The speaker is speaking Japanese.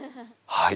はい！